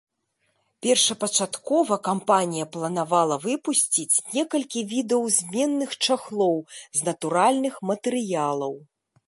Першапачаткова кампанія планавала выпусціць некалькі відаў зменных чахлоў з натуральных матэрыялаў.